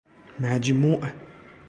مجموع